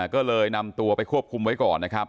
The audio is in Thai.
ก็เลยนำตัวไปควบคุมไว้ก่อนนะครับ